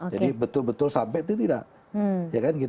jadi betul betul sampai itu tidak